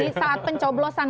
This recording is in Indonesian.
betul di saat pencoblosan